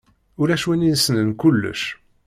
Ulac win issnen kullec.